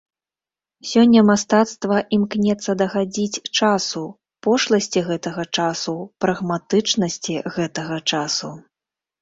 Сёння мастацтва імкнецца дагадзіць часу, пошласці гэтага часу, прагматычнасці гэтага часу.